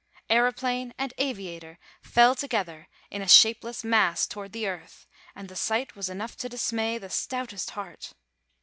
Aëroplane and aviator fell together in a shapeless mass toward the earth, and the sight was enough to dismay the stoutest heart.